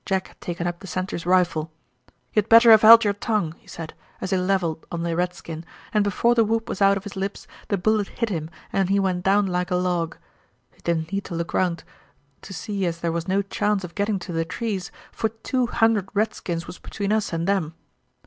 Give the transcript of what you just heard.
Jack had taken up the sentry's rifle. "'Ye'd better have held yer tongue,' he said as he leveled on the redskin, and before the whoop was out of his lips the bullet hit him and he went down like a log. It didn't need to look round to see as there was no chance of getting to the trees, for two hundred redskins was between us and them.